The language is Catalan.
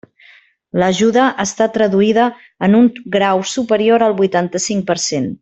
L'ajuda està traduïda en un grau superior al vuitanta-cinc per cent.